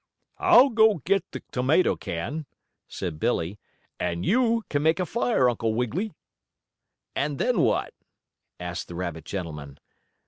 "I'll go get the tomato can," said Billie, "and you can make a fire, Uncle Wiggily." "And then what?" asked the rabbit gentleman.